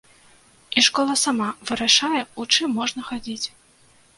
І школа сама вырашае, у чым можна хадзіць.